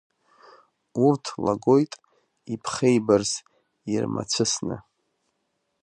Урҭ лагоит иԥхеибарс ирмацәысны.